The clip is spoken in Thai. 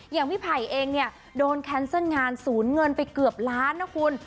อย่างพี่ไผ่เองเนี่ยโดนแคนเซิลงานสูญเงินไปเกือบล้านนะคุณ